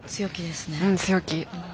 うん強気。